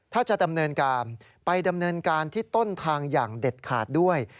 ถ้าจะดำเนินการไปดำเนินการที่ต้นทางอย่างเด็ดขาดด้วย